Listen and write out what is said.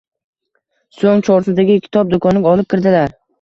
Soʻng Chorsudagi kitob doʻkonga olib kirdilar.